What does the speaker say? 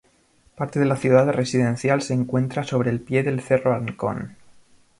Parte de la ciudad residencial se encuentra sobre el pie del Cerro Ancón.